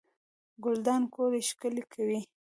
ګلدان کور ښکلی کوي